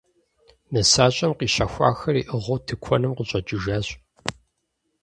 Нысащӏэм къищэхуахэр иӏыгъыу тыкуэным къыщӏэкӏыжащ.